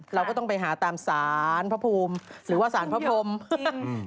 เราก็ต้องไปหาตามศาลพระภูมิหรือว่าศาลพระภูมิ